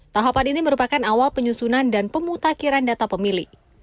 tahapan ini merupakan awal penyusunan dan pemutakiran data pemilih